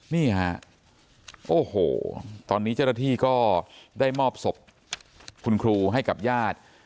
นี่ฮะโอ้โหตอนนี้เจ้าหน้าที่ก็ได้มอบศพคุณครูให้กับญาติ